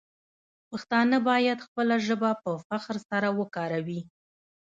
پښتانه باید خپله ژبه په فخر سره وکاروي.